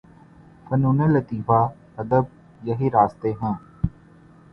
فنون لطیفہ، ادب یہی راستے ہیں۔